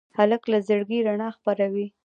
هلک له زړګي رڼا خپروي.